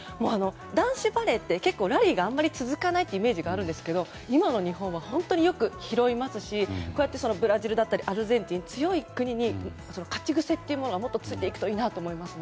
男子バレーってラリーがあまり続かないというイメージがあるんですけど今の日本は本当によく拾いますしブラジルだったりアルゼンチン強い国に勝ち癖というのがもっとついていくといいと思います。